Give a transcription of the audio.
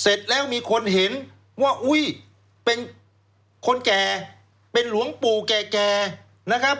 เสร็จแล้วมีคนเห็นว่าอุ้ยเป็นคนแก่เป็นหลวงปู่แก่นะครับ